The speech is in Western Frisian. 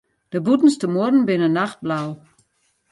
De bûtenste muorren binne nachtblau.